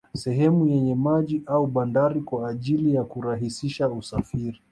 Sehemu yenye maji au bandari kwa ajili ya kurahisisha usafiri